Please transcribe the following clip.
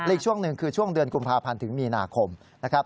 อีกช่วงหนึ่งคือช่วงเดือนกุมภาพันธ์ถึงมีนาคมนะครับ